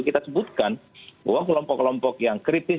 kita sebutkan bahwa kelompok kelompok yang kritis